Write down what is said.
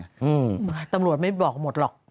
อืมตำรวจไม่บอกหมดหรอก